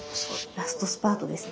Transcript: ラストスパートですね。